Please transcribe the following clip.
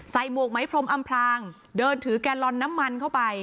หมวกไหมพรมอำพลางเดินถือแกลลอนน้ำมันเข้าไป